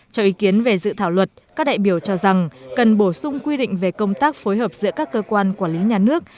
cho ý kiến về dự thảo luật các đại biểu cho rằng cần bổ sung quy định về công tác phối hợp giữa các cơ quan quản lý nhà nước